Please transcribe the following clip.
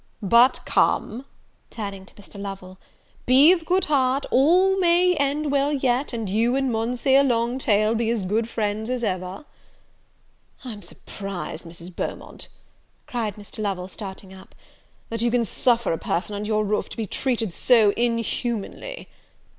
But come," turning to Mr. Lovel, "be of good heart, all may end well yet, and you and Monseer Longtail be as good friends as ever." "I'm surprised, Mrs. Beaumont," cried Mr. Lovel, starting up, "that you can suffer a person under your roof to be treated so inhumanly."